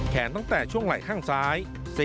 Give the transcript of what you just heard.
ตั้งแต่ช่วงไหล่ข้างซ้าย